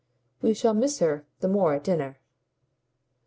"We shall miss her the more at dinner."